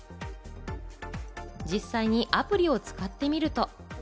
実際にアプリを使ってみると。